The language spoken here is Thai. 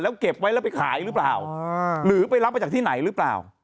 เก็บไว้แล้วไปขายหรือเปล่าหรือไปรับมาจากที่ไหนหรือเปล่า